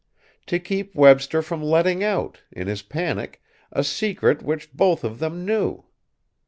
To keep Webster from letting out, in his panic, a secret which both of them knew."